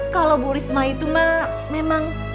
kalau bu risma itu mah memang